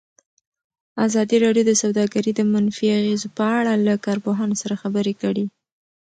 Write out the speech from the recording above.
ازادي راډیو د سوداګري د منفي اغېزو په اړه له کارپوهانو سره خبرې کړي.